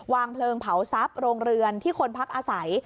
วางเพลิงเผาทรัพย์โรงเรือนที่คนพักอาศัย